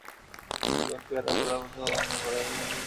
যেমন পেয়ারা পাতার মতো সবুজ অথবা বাঁধাকপির খেতের মতো নীলচে সবুজ।